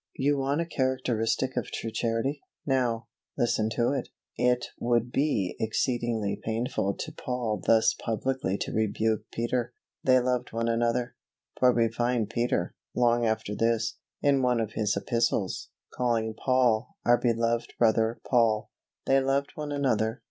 You want a characteristic of true Charity. Now, listen to it. It would be exceedingly painful to Paul thus publicly to rebuke Peter. They loved one another, for we find Peter, long after this, in one of his Epistles, calling Paul "our beloved brother, Paul." They loved one another.